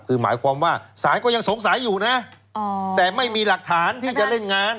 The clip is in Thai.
คือหมายความว่าศาลก็ยังสงสัยอยู่นะแต่ไม่มีหลักฐานที่จะเล่นงาน